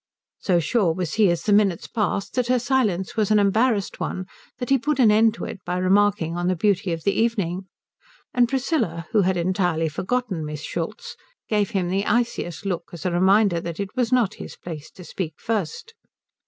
So sure was he as the minutes past that her silence was an embarrassed one that he put an end to it by remarking on the beauty of the evening, and Priscilla who had entirely forgotten Miss Schultz gave him the iciest look as a reminder that it was not his place to speak first.